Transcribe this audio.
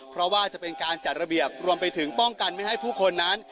เพราะว่าจะเป็นการจัดระเบียบรวมไปถึงป้องกันไม่ให้ผู้คนนั้น